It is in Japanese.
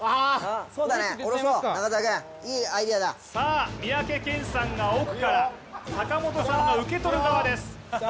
さあ、三宅健さんが奥から、坂本さんが受け取る側です。